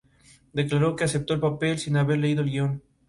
Ambos regalos se encuentran el día de hoy en la prefectura de Fukushima.